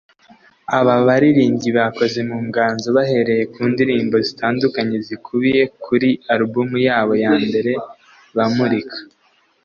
Aba baririmbyi bakoze mu nganzo bahereye ku ndirimbo zitandukanye zikubiye kuri album yabo ya mbere bamurika